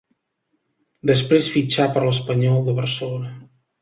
Després fitxà per l'Espanyol de Barcelona.